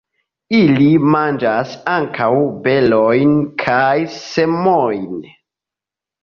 Ili manĝas ankaŭ berojn kaj semojn.